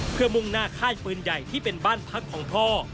เพื่อมุ่งหน้าค่ายปืนใหญ่ที่เป็นบ้านพักของพ่อ